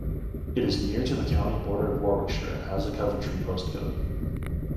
It is near to the county border of Warwickshire and has a Coventry postcode.